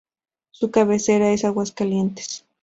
Su cabecera es Aguascalientes.